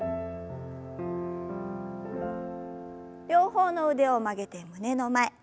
両方の腕を曲げて胸の前。